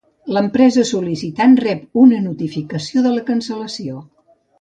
L'empresa sol·licitant rep una notificació de la cancel·lació.